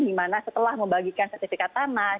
dimana setelah membagikan sertifikat tanah